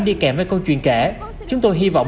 đi kèm với câu chuyện kể chúng tôi hy vọng